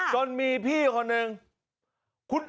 สวัสดีทุกคน